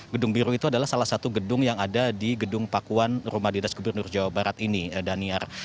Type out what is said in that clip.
gedung biru itu adalah salah satu gedung yang ada di gedung pakuan rumah dinas gubernur jawa barat ini daniar